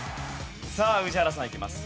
さあ宇治原さんいきます。